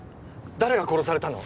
誰が殺されたの？